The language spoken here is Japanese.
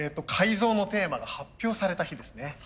改造のテーマが発表された日ですね。